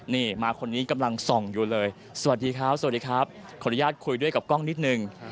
นี่มาคนนี้กำลังส่องอยู่เลยสวัสดีครับสวัสดีครับขออนุญาตคุยด้วยกับกล้องนิดนึง